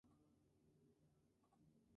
A menudo es descrito como "música veraniega".